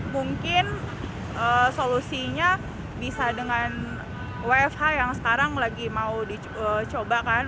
mungkin solusinya bisa dengan wfh yang sekarang lagi mau dicoba kan